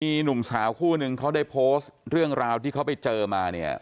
มีหนุ่มสาวคู่นึงเขาได้โพสต์เรื่องราวที่เขาไปเจอมาเนี่ย